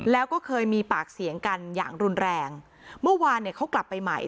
แล้วก็เคยมีปากเสียงกันอย่างรุนแรงเมื่อวานเนี่ยเขากลับไปใหม่